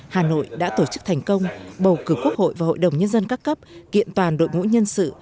hà nội đã tổ chức thành công bầu cử quốc hội và hội đồng nhân dân các cấp kiện toàn đội ngũ nhân sự